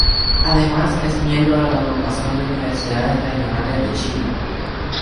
Además es miembro de la Agrupación de Universidades Regionales de Chile.